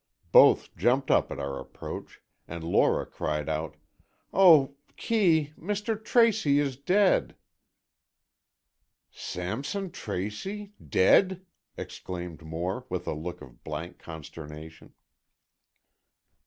Both jumped up at our approach, and Lora cried out, "Oh, Kee, Mr. Tracy is dead!" "Sampson Tracy! Dead?" exclaimed Moore, with a look of blank consternation.